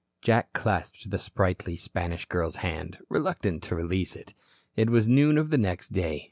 Jack clasped the sprightly Spanish girl's hand, reluctant to release it. It was noon of the next day.